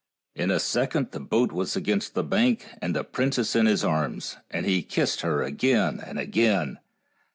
In a second the boat was against the bank, and the princess in his arms. And he kissed her again and again.